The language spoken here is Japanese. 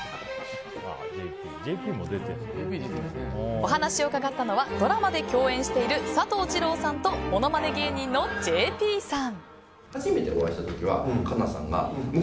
お話を伺ったのはドラマで共演している佐藤二朗さんとモノマネ芸人のＪＰさん。